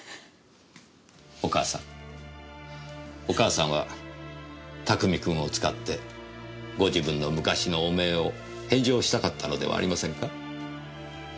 お母さんお母さんは拓海君を使ってご自分の昔の汚名を返上したかったのではありませんか？